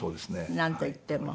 なんといっても。